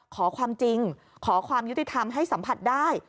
ขอความจริงขอความยุติธรรมให้สัมผัสได้